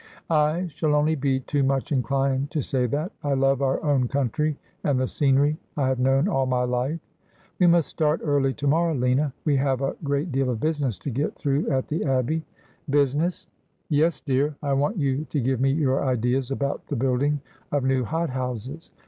'' I shall only be too much inclined to say that. I love our own country, and the scenery I have known all my life.' ' We must start early to morrow, Lina. We have a great deal of business to get through at the Abbey.' ' Business !'' Yes, dear ; I want you to give me your ideas about the building of new hot houses.